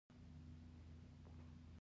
روهیله له انګلیسیانو سره په اتحاد کې شامل شي.